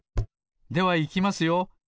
ではいきますよ。